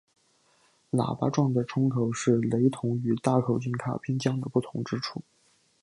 喇叭状的铳口是雷筒与大口径卡宾枪的不同之处。